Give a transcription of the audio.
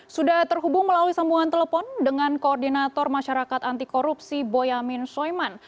sudah terhubung melalui sambungan telepon dengan koordinator masyarakat anti korupsi boyamin soeman